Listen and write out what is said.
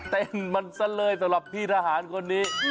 เต้นมันซะเลยสำหรับพี่ทหารคนนี้